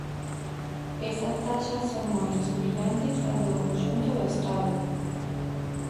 Estas taxas son moito semellantes ás do conxunto do Estado.